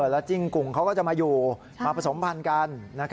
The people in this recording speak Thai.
แล้วจิ้งกุ่งเขาก็จะมาอยู่มาผสมพันธุ์กัน